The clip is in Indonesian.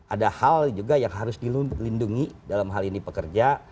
ada hal juga yang harus dilindungi dalam hal ini pekerja